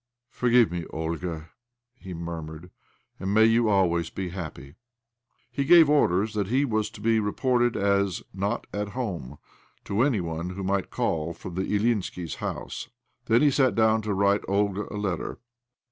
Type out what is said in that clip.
" Forgive me, Olga !" he murmured. " And may you always be happy !" He gave orders that he was to be reported as " not at home " to any one who might call from the Ilyinskis' house. Then he sat down to write Olga a letter.